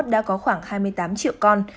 đã có khoảng hai mươi tám triệu con